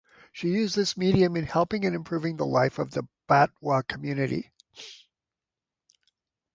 She used this medium in helping and improving the life of the Batwa community.